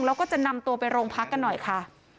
แล้วก็จะนำตัวไปโรงพักกันหน่อยค่ะ